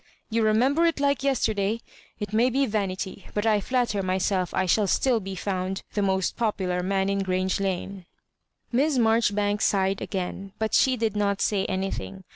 " You remember it like yesterday 1 It may be vanity, but I flatter myself I shall still be found the most popular man in GTrange Lane." Miss Marjoribanks sighed again, but she did not say anything.